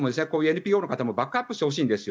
ＮＰＯの方もバックアップしてほしいんです。